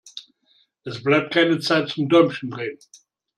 Es bleibt keine Zeit zum Däumchen drehen.